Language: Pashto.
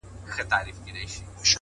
كه څه هم تور پاته سم سپين نه سمه’